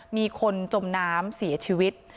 มีคนจมน้ำแก่หายชีวิต